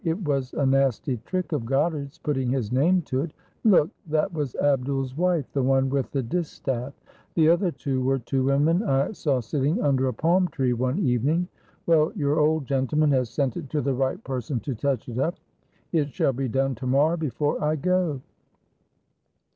It was a nasty trick of Goddard's putting his name to it. Look, that was Abdul's wife, the one with the distaff; the other two were two women I saw sitting under a palm tree one evening. Well, your old gentleman has sent it to the right person to touch it up. It shall be done to morrow before I go."